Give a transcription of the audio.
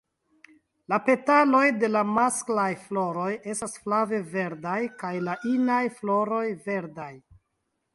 La petaloj de la masklaj floroj estas flave verdaj kaj la inaj floroj verdaj.